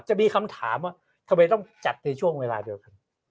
จะมีคำถามว่าทำไมต้องจัดในช่วงเวลาเดียวกัน